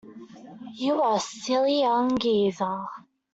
You are a silly young geezer.